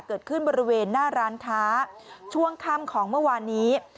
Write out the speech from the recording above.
เกิดขึ้นบริเวณหน้าร้านค้าช่วงค่ำของเมื่อวานนี้